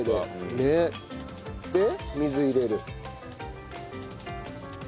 ねえ。で水入れる。